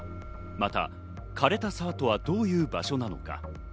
また、枯れた沢とはどういう場所なのか。